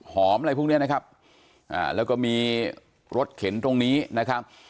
อะไรพวกเนี้ยนะครับอ่าแล้วก็มีรถเข็นตรงนี้นะครับ